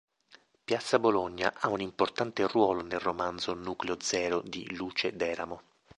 Piazza Bologna ha un importante ruolo nel romanzo "Nucleo Zero" di Luce d'Eramo.